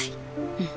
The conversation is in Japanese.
うん。